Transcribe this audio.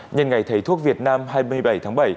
nhân ngày thầy thuốc việt nam hai mươi bảy tháng bảy